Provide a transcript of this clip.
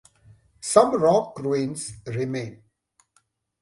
Some rock ruins remain.